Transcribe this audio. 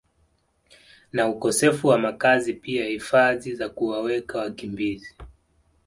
na ukosefu wa makazi pia hifadhi za kuwaweka wakimbizi